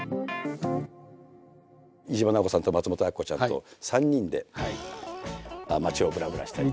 飯島直子さんと松本明子ちゃんと３人で街をぶらぶらしたり。